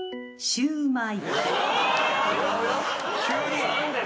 シューマイ。